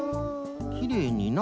きれいにな。